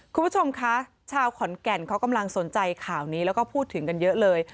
คุณผู้ชมคะชาวขอนแก่นเขากำลังสนใจข่าวนี้แล้วก็พูดถึงกันเยอะเลย